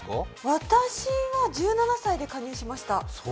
私は１７歳で加入しました。